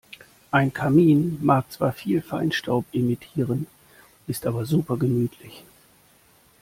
Ein Kamin mag zwar viel Feinstaub emittieren, ist aber super gemütlich.